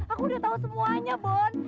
aku udah tau semuanya bon